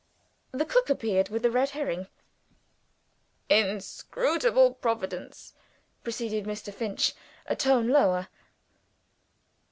The cook appeared with the red herring. "Inscrutable Providence" proceeded Mr. Finch, a tone lower.